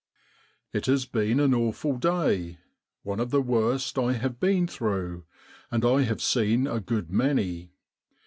" It has been an awful day one of the worst I have been through, and I have seen a good many.